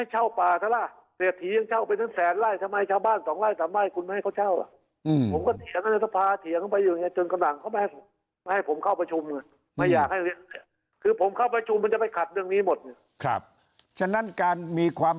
ชาวบ้านจะไปออกทำไมมันไม่ให้การเช่าป่าทะรา